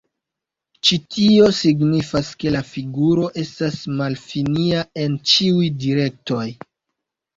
Ĉi tio signifas ke la figuro estas malfinia en ĉiuj direktoj.